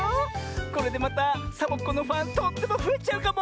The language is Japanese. これでまたサボ子のファンとってもふえちゃうかも。